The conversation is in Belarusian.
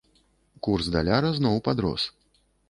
Курс даляра зноў падрос.